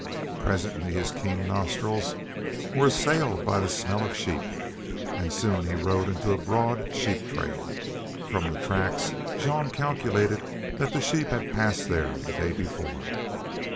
Presently his keen nostrils were assailed by a smell of sheep, and soon he rode into a broad sheep, trail. From the tracks Jean calculated that the sheep had passed there the day before.